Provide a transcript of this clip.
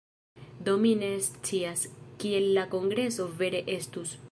Do mi ne scias, kiel la kongreso vere estus.